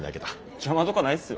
邪魔とかないっすよ。